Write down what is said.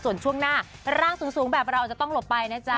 ส่วนช่วงหน้าร่างสูงแบบเราอาจจะต้องหลบไปนะจ๊ะ